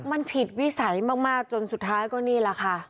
มันผิดวิสัยมากจนสุดท้ายก็นี่แหละค่ะ